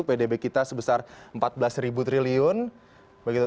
pdb kita sebesar empat belas triliun begitu